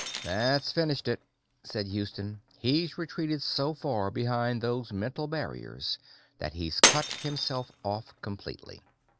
"That's finished it," said Houston. "He's retreated so far behind those mental barriers that he's cut himself off completely."